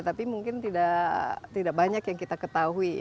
tapi mungkin tidak banyak yang kita ketahui